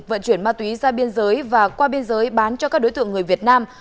vận chuyển ma túy ra biên giới và qua biên giới bán cho các đối tượng người việt nam